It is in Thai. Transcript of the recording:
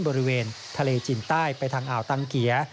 บริเวณทะเลจินใต้ไปทางอ่าวตังเกีย